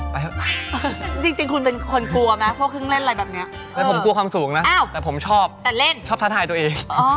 เป็นคนชอบทะทายกับตัวเอง